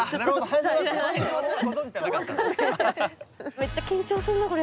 めっちゃ緊張すんなぁこれ。